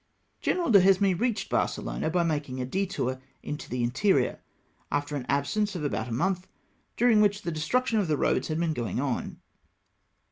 General Duliesme reached Barcelona by making a detour into the interior, after an absence of about a month, during which the destruction of the roads had been going on.